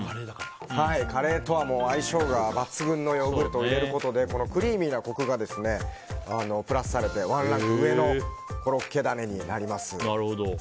カレーとは相性が抜群のヨーグルトを入れることでこのクリーミーなコクがプラスされてワンランク上のコロッケダネになります。